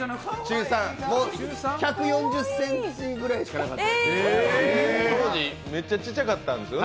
もう１４０ｃｍぐらいしかなかったんです。